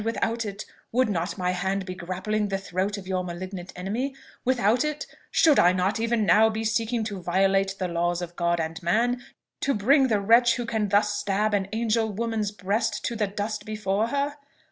without it, would not my hand be grappling the throat of your malignant enemy? Without it, should I not even now be seeking to violate the laws of God and man, to bring the wretch who can thus stab an angel woman's breast to the dust before her?